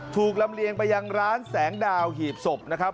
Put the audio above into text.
ลำเลียงไปยังร้านแสงดาวหีบศพนะครับ